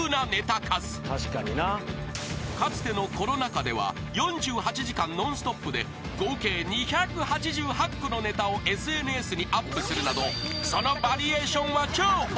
［かつてのコロナ禍では４８時間ノンストップで合計２８８個のネタをＳＮＳにアップするなどその］